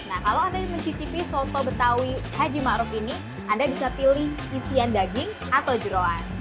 nah kalau anda mencicipi soto betawi haji ma'ruf ini anda bisa pilih isian daging atau jerol